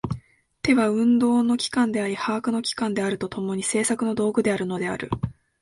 手は運動の機関であり把握の機関であると共に、製作の道具であるのである。